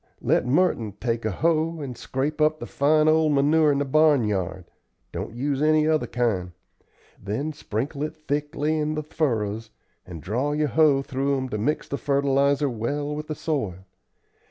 Let Merton take a hoe and scrape up the fine old manure in the barnyard. Don't use any other kind. Then sprinkle it thickly in the furrows, and draw your hoe through 'em to mix the fertilizer well with the soil.